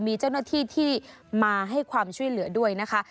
มีเจ้าหน้าที่ที่มาให้ความช่วยเหลือด้วยนะคะ